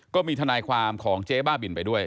ก็มีทนายความของเจ๊บ้าบินไปด้วย